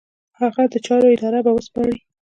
هغه د چارو اداره به وسپاري.